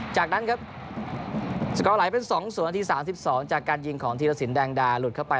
จากนั้นครับก็หลายเป็น๐๒๓๒จากการยิงของทีเลอสีนดังดาหลุดเข้าไป